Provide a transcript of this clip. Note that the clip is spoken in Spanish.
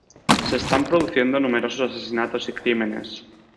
Se están produciendo numerosos asesinatos y crímenes.